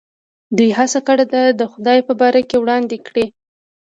دوی هڅه کړې ده د خدای په باره کې وړاندې کړي.